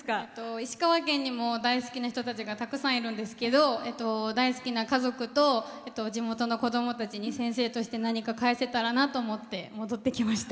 石川県にも大好きな人たちがたくさんいるんですけど大好きな家族と地元の子供たちに先生として何か返せたらなと思って戻ってきました。